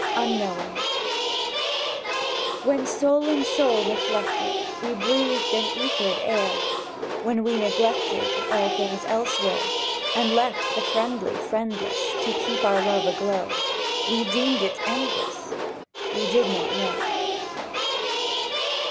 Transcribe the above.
UNKNOWING WHEN, soul in soul reflected, We breathed an æthered air, When we neglected All things elsewhere, And left the friendly friendless To keep our love aglow, We deemed it endless ... —We did not know!